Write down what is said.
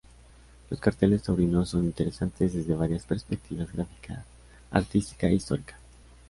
Los carteles taurinos son interesantes desde varias perspectivas: gráfica, artística e histórica.